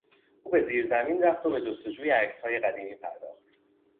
او به زیرزمین رفت و به جستجوی عکسهای قدیمی پرداخت.